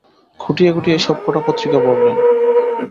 খুঁটিয়ে খুঁটিয়ে সব কটা পত্রিকা পড়লেন।